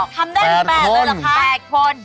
ทำได้ถึง๘เลยเหรอคะ๘คน